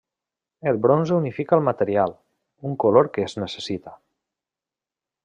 El bronze unifica el material, un color que es necessita.